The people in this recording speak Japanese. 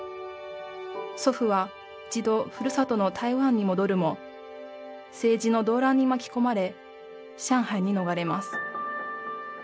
祖父は一度ふるさとの台湾に戻るも政治の動乱に巻き込まれ上海に逃れます